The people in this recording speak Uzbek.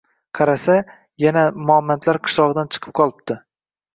Qarasa, yana momandlar qishlog’idan chiqib qolibdi.